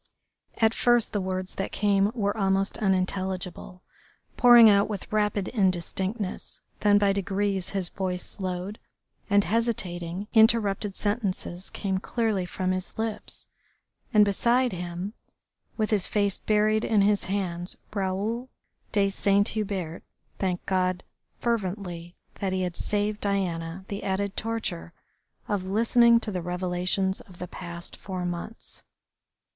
At first the words that came were almost unintelligible, pouring out with rapid indistinctness, then by degrees his voice slowed, and hesitating, interrupted sentences came clearly from his lips. And beside him, with his face buried in his hands, Raoul de Saint Hubert thanked God fervently that he had saved Diana the added torture of listening to the revelations of the past four months.